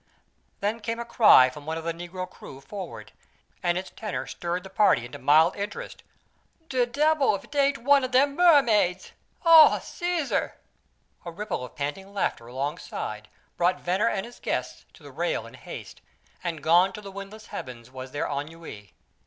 Then came a cry from one of the negro crew forward, and its tenor stirred the party into mild interest. "De debbil, ef 'tain't one o' dem marmaids! Oh, Cæsar!" A ripple of panting laughter alongside brought Venner and his guests to the rail in haste, and gone to the windless heavens was their ennui.